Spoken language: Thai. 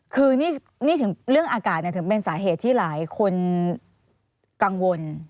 คือนี่ถึงเรื่องอากาศถึงเป็นสาเหตุที่หลายคนกังวล